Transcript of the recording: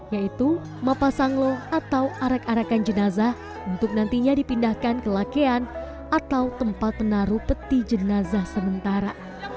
yaitu mapasang lo atau arak arakan jenazah untuk nantinya dipindahkan ke lakean atau tempat menaruh peti jenazah sementara